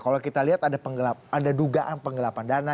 kalau kita lihat ada dugaan penggelapan dana